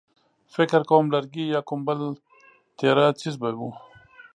فکر کوم لرګی يا کوم بل تېره څيز به و.